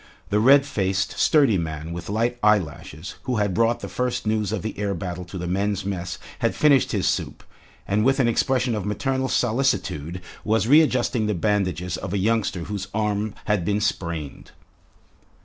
The red faced, sturdy man with light eyelashes who had brought the first news of the air battle to the men's mess had finished his soup, and with an expression of maternal solicitude was readjusting the bandages of a youngster whose arm had been sprained.